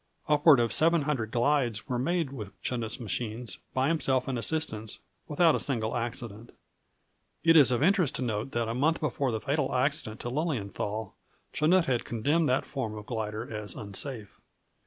Upward of seven hundred glides were made with Chanute's machines by himself and assistants, without a single accident. It is of interest to note that a month before the fatal accident to Lilienthal, Chanute had condemned that form of glider as unsafe.